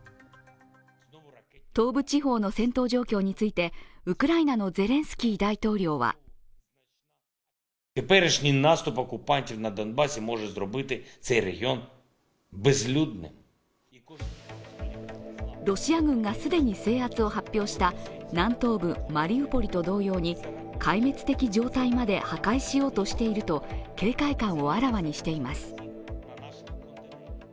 東部地方の戦闘状況について、ウクライナのゼレンスキー大統領はロシア軍が既に制圧を発表した南東部マリウポリと同様に壊滅的状態まで破壊しようとしていると警戒感をあらわにしています。